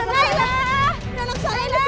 nailah itu anakku nailah